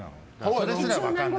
それすら分からない。